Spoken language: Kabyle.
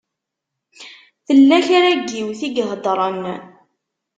Tella kra n yiwet i iheddṛen.